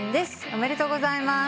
おめでとうございます。